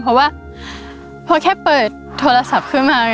เพราะว่าพอแค่เปิดโทรศัพท์ขึ้นมา